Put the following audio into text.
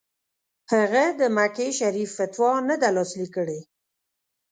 هغه د مکې شریف فتوا نه ده لاسلیک کړې.